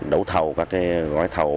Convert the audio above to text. đấu thầu các gói thầu